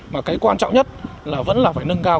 mà cái quan trọng nhất là vẫn là phải nâng cao